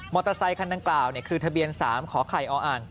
มอเตอร์ไซค์คันนั้นกล่าวคือทะเบียน๓ขไขออ๗๕๔๔